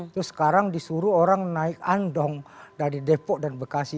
terus sekarang disuruh orang naik andong dari depok dan bekasi